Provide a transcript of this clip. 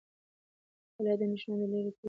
مطالعه د اندیښنو د لرې کولو وسیله ده.